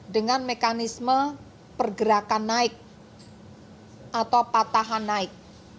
dengan mekanisme pergerakan naik atau patahan naik